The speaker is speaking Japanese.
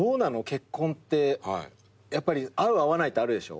結婚ってやっぱり合う合わないってあるでしょ？